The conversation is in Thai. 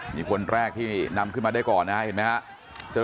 มีคนแรกที่นำขึ้นมาได้ก่อนนะฮะเห็นไหมครับ